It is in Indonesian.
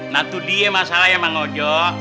nah tuh dia masalahnya bang ojo